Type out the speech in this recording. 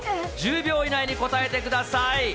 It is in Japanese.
１０秒以内に答えてください。